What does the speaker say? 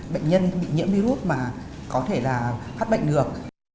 bệnh nhân bị nhiễm virus mà có thể là phát bệnh được